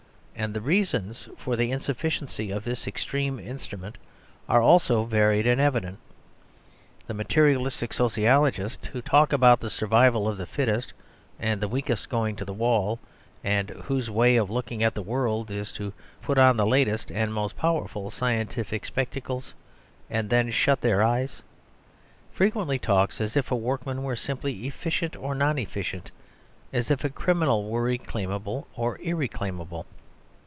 And the reasons for the insufficiency of this extreme instrument are also varied and evident. The materialistic Sociologists, who talk about the survival of the fittest and the weakest going to the wall (and whose way of looking at the world is to put on the latest and most powerful scientific spectacles, and then shut their eyes), frequently talk as if a workman were simply efficient or non efficient, as if a criminal were reclaimable or irreclaimable.